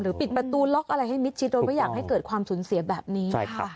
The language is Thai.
ปิดประตูล็อกอะไรให้มิดชิดโดยไม่อยากให้เกิดความสูญเสียแบบนี้